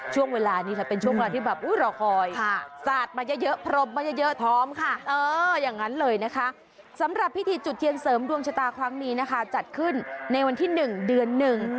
ค่ะสาดมาเยอะพรมมาเยอะพร้อมค่ะสำหรับพิธีจุดเทียนเสริมดวงชะตาครั้งนี้จัดขึ้นในวันที่๑เดือน๑